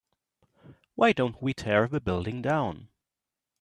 why don't we tear the building down?